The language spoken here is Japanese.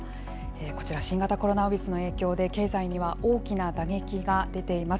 こちら、新型コロナウイルスの影響で経済には大きな打撃が出ています。